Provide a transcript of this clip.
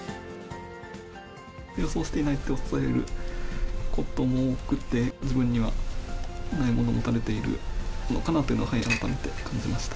予想していない手を指されることも多くて、自分にはないものを持たれているのかなと改めて感じました。